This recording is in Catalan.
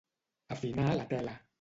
Afinar la tela.